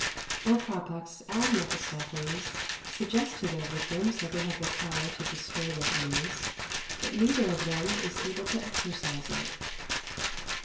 Both Harpax and Mephistophiles suggest to their victims that they have power to destroy their enemies, but neither of them is able to exercise it.